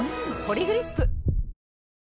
「ポリグリップ」